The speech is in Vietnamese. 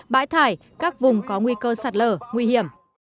bãi thải các vùng có nguy cơ sạt lở nguy hiểm